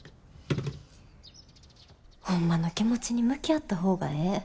ホンマの気持ちに向き合った方がええ。